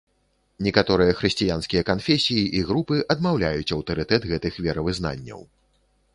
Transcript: Некаторыя хрысціянскія канфесіі і групы адмаўляюць аўтарытэт гэтых веравызнанняў.